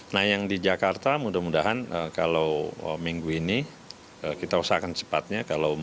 nah yang di jakarta mudah mudahan kalau minggu ini kita usahakan cepatnya